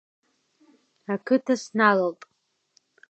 Ақыҭа сналалт.